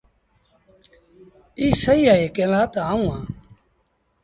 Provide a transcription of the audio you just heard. ايٚ سهيٚ اهي ڪݩهݩ لآ تا آئوٚنٚ اهآنٚ۔